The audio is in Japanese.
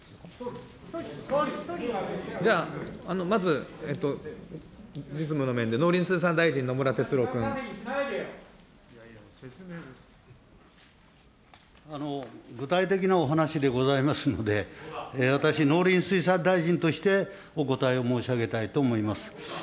じゃあ、まず、実務の面で、農林水産大臣、具体的なお話しでございますので、私、農林水産大臣としてお答えを申し上げたいと思います。